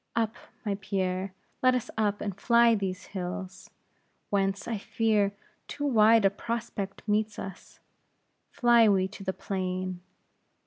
Up, my Pierre; let us up, and fly these hills, whence, I fear, too wide a prospect meets us. Fly we to the plain.